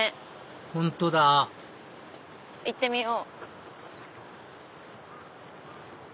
本当だ行ってみよう。